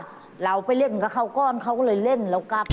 ก็ว่าเราไปเล่นกับเขาก้อนเขาก็เลยเล่นแล้วกับ